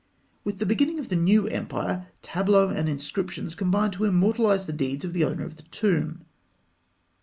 With the beginning of the New Empire, tableaux and inscriptions combine to immortalise the deeds of the owner of the tomb.